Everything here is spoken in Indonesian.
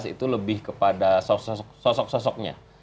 itu lebih kepada sosok sosoknya